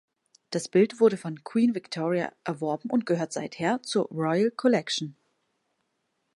Das Bild wurde von Queen Victoria erworben und gehört seither zur "Royal Collection".